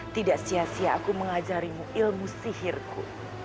tidak sia sia aku mengajarimu ilmu sihirku